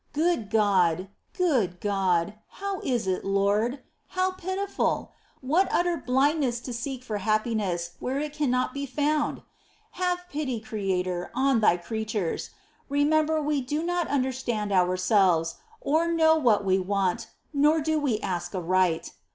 3. Good God ! Good God ! How is it. Lord ? How pitiful ! What utter blindness to seek for happiness where it cannot be found. Have pity, Creator, on Thy creatures ! Remember, we do not understand ourselves, or know what we want, nor do we ask aright